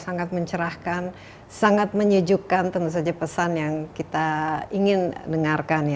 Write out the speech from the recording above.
sangat mencerahkan sangat menyejukkan tentu saja pesan yang kita ingin dengarkan ya